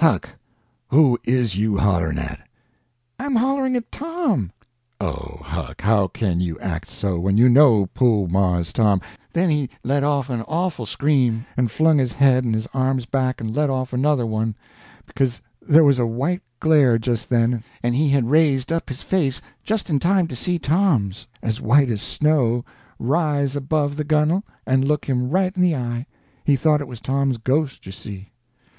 "Huck, who is you hollerin' at?" "I'm hollerin' at Tom." "Oh, Huck, how kin you act so, when you know po' Mars Tom—" Then he let off an awful scream, and flung his head and his arms back and let off another one, because there was a white glare just then, and he had raised up his face just in time to see Tom's, as white as snow, rise above the gunnel and look him right in the eye. He thought it was Tom's ghost, you see.